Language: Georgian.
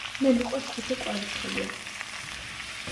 მე მიყვარს ხვიჩა კვარაცხელია